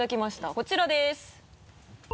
こちらです。